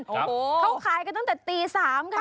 ครับโอ้โหเข้าขายกันตั้งแต่ตี๓ค่ะ